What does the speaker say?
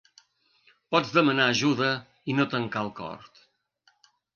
Pots demanar ajuda, i no tancar el cor.